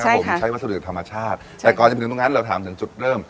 ผมใช้วัสดุธรรมชาติแต่ก่อนจะมาถึงตรงนั้นเราถามถึงจุดเริ่ม